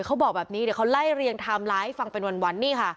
เขาบอกแบบนี้เดี๋ยวเขาไล่เรียงไทม์ไลน์ให้ฟังเป็นวันนี่ค่ะ